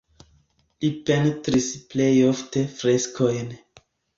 Li pentris plej ofte freskojn.